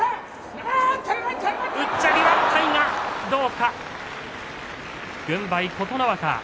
どうか。